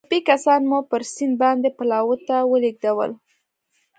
ټپي کسان مو پر سیند باندې پلاوا ته ولېږدول.